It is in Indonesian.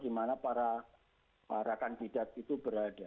di mana para kandidat itu berada